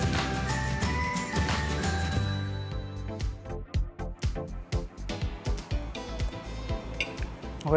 masukkan nasi dan masukan nasi